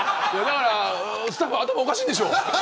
スタッフ、頭おかしいでしょ。